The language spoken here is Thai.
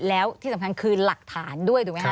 แล้วที่สำคัญคือหลักฐานด้วยถูกไหมฮ